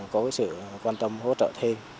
có sự quan tâm hỗ trợ thêm